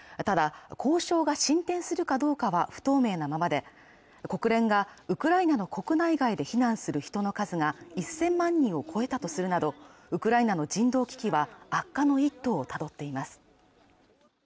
ただ交渉が進展するかどうかは不透明なままで国連がウクライナの国内外で避難する人の数が１０００万人を超えたとするなどウクライナの人道危機は悪化の一途をたどっています